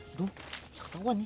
aduh bisa ketawa nih